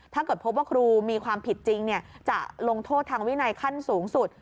ถ้าเกิดพบว่าครูมีความผิดจริงจะลงโทษทางวินัยขั้นสูงสุด